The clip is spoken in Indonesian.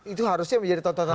itu harusnya menjadi tontonan